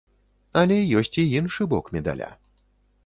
Але ёсць і іншы бок медаля.